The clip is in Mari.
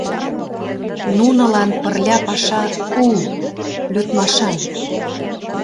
Нунылан пырля паша у, лӱдмашан.